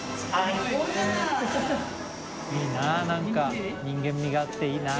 いいな何か人間味があっていいな。